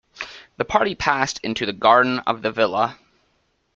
The party passed into the garden of the villa.